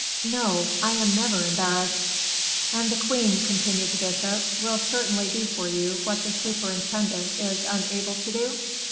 "No; I am never embarrassed." "And the queen," continued the bishop, "will certainly do for you what the superintendent is unable to do?"